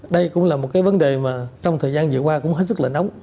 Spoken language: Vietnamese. đây cũng là một cái vấn đề mà trong thời gian dựa qua cũng hết sức là nóng